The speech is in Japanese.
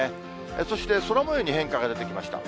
そして、空もように変化が出てきました。